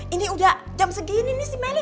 ini udah jam segini nih si meli